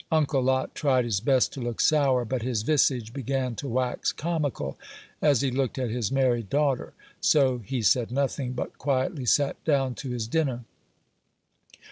Uncle Lot tried his best to look sour; but his visage began to wax comical as he looked at his merry daughter; so he said nothing, but quietly sat down to his dinner.